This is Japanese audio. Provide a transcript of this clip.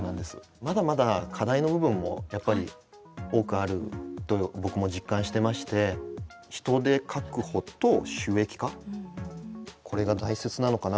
まだまだ課題の部分もやっぱり多くあると僕も実感してまして人手確保と収益化これが大切なのかなと思いました。